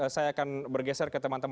saya akan bergeser ke teman teman